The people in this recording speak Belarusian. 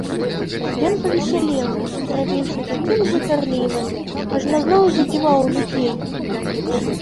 Ён павесялеў і зрабіўся такім гутарлівым, ажно зноў задзівіў людзей.